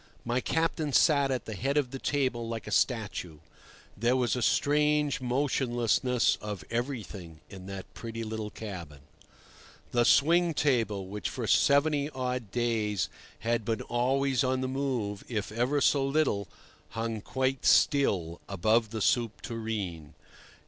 My captain sat at the head of the table like a statue. There was a strange motionlessness of everything in that pretty little cabin. The swing table which for seventy odd days had been always on the move, if ever so little, hung quite still above the soup tureen.